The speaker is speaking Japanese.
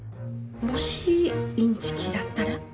もしインチキだったら。